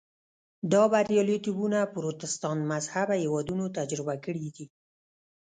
دا بریالیتوبونه پروتستانت مذهبه هېوادونو تجربه کړي دي.